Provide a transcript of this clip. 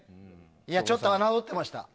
ちょっと、あなどってました。